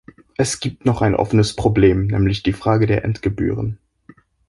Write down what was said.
Es gibt noch ein offenes Problem, nämlich die Frage der Endgebühren.